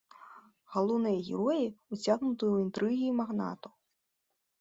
Галоўныя героі ўцягнуты ў інтрыгі магнатаў.